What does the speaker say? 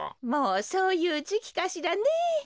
もうそういうじきかしらねえ。